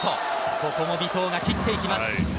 ここも尾藤が切ってきます。